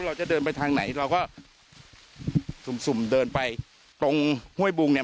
เราจะเดินไปทางไหนเราก็สุ่มสุ่มเดินไปตรงห้วยบุงเนี่ย